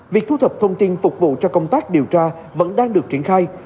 việc thu thập thông tin phục vụ cho công tác điều tra vẫn đang được triển khai